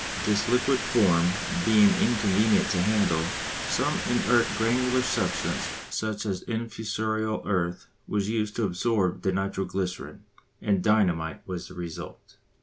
This liquid form being inconvenient to handle, some inert granular substance such as infusorial earth was used to absorb the nitro glycerine, and dynamite was the result.